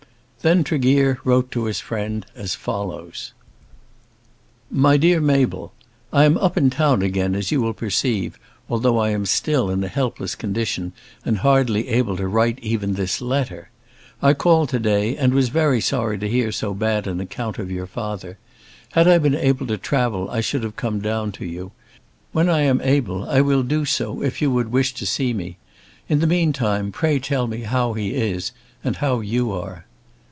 Then Tregear wrote to his friend as follows: MY DEAR MABEL, I am up in town again as you will perceive, although I am still in a helpless condition and hardly able to write even this letter. I called to day and was very sorry to hear so bad an account of your father. Had I been able to travel I should have come down to you. When I am able I will do so if you would wish to see me. In the meantime pray tell me how he is, and how you are.